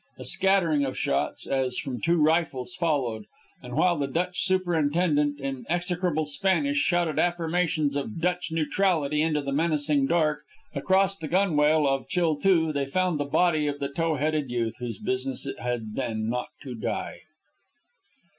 A scattering of shots, as from two rifles, followed. And while the Dutch superintendent, in execrable Spanish, shouted affirmations of Dutch neutrality into the menacing dark, across the gunwale of Chill II they found the body of the tow headed youth whose business it had been not to die.